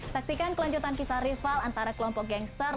saksikan kelanjutan kita rival antara kelompok gangster